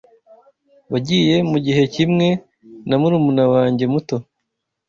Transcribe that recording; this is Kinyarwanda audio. Wagiye mugihe kimwe na murumuna wanjye muto?